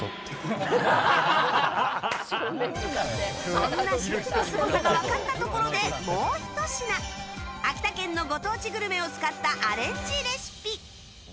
そんなシェフのすごさが分かったところでもうひと品、秋田県のご当地グルメを使ったアレンジレシピ。